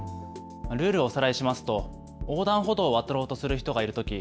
ルールをおさらいしますと横断歩道を渡ろうとする人がいるとき